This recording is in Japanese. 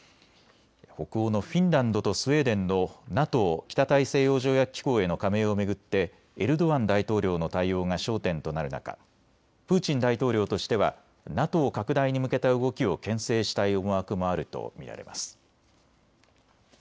北欧のフィンランドとスウェーデンのＮＡＴＯ・北大西洋条約機構への加盟を巡ってエルドアン大統領の対応が焦点となる中、プーチン大統領としてはＮＡＴＯ拡大に向けた動きをけん制したい思惑もあると見られます。